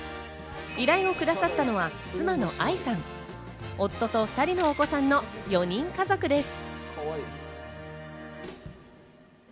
依頼をくださったのは妻の愛さん、夫と２人のお子さんの４人家族です。